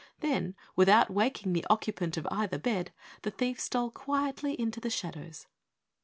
Then, without waking the occupant of either bed, the thief stole quietly into the shadows.